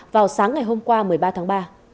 vào sáng ngày hôm qua một mươi ba tháng ba